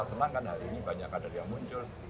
kita senangkan hari ini banyak kader yang muncul